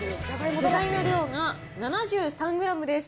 具材の量が７３グラムです。